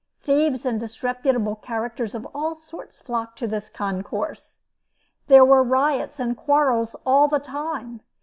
Thieves and disreputable characters of all sorts flocked to this concourse. There were riots and quarrels all the time.